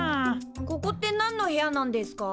ここってなんの部屋なんですか？